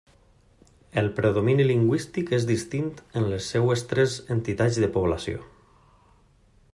El predomini lingüístic és distint en les seues tres entitats de població.